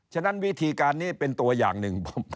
ฉะนั้นวิธีการนี้เป็นตัวอย่างหนึ่ง